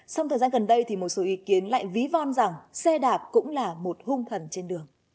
sau thời gian gần đây thì một số ý kiến lại ví von rằng xe đạp cũng là một hung thần trên đường